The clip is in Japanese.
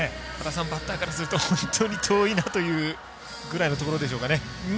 バッターからすると本当に遠いなというぐらいのところでしょうかね。